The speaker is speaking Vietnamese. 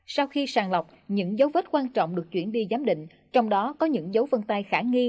sau khi sàng lọc những dấu vết quan trọng được chuyển đi giám định trong đó có những dấu vân tay khả nghi